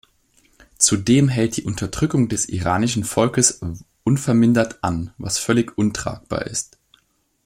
Zudem hält die Unterdrückung des iranischen Volkes unvermindert an, was völlig untragbar ist.